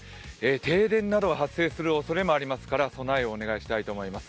停電などが発生するおそれもありますから備えをお願いします。